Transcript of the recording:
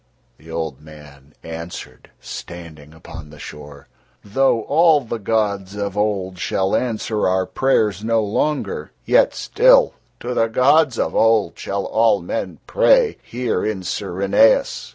The old man answered, standing upon the shore: "Though all the gods of old shall answer our prayers no longer, yet still to the gods of old shall all men pray here in Syrinais."